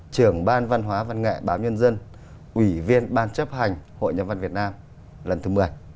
trưởng ban văn hóa văn nghệ báo nhân dân ủy viên ban chấp hành hội nhà văn việt nam lần thứ một mươi